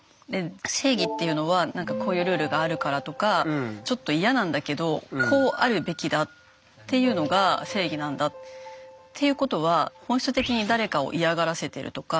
正義っていうのはこういうルールがあるからとかちょっと嫌なんだけどこうあるべきだっていうのが正義なんだっていうことは本質的に誰かを嫌がらせてるとか。